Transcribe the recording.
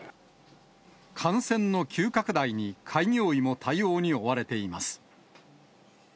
感染の急拡大に、開業医も対応に追われています。